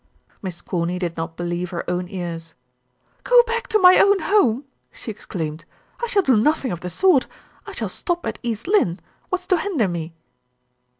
Miss Corny did not believe her own ears. "Go back to my own home!" she exclaimed. "I shall do nothing of the sort. I shall stop at East Lynne. What's to hinder me?"